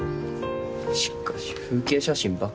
しかし風景写真ばっか。